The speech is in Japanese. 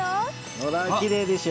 ほらきれいでしょ？